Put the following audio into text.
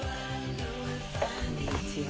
こんにちは。